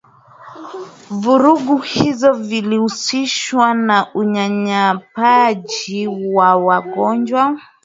Vurugu hizo zilihusishwa na unyanyapaaji wa wagonjwa